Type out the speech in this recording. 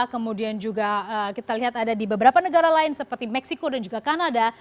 kemudian juga kita lihat ada di beberapa negara lain seperti meksiko dan juga kanada